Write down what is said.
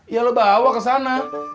ya lo bawa ke sana